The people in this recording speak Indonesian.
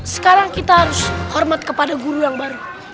sekarang kita harus hormat kepada guru yang baru